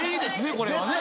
これはね。